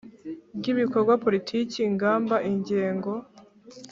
Ry ibikorwa politiki ingamba ingengo